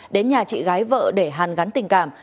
đến nhà chị gái vợ để hàn gắn tình cảm